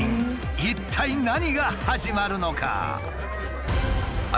一体何が始まるのか？